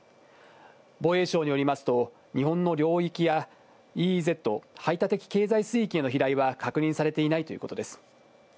防衛省によりますと、日本の領域やＥＥＺ・排他的経済水域への飛来は確認されていないということです。